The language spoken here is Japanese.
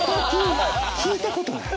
聞いたことない。